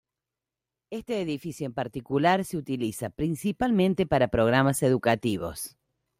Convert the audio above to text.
Este edificio en particular se utiliza principalmente para programas educativos.